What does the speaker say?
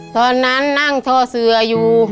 ตอนนั้นนั่งท่อเสืออยู่